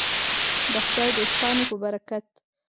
د خدای دوستانو په برکت.